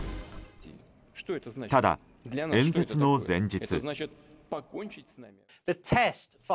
ただ演説の前日。